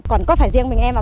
còn có phải riêng mình em